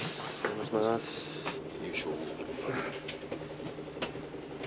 よいしょ。